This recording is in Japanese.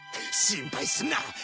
心配すんな！